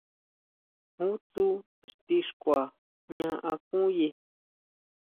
¿Jú tsú ixtixkua jña akuye?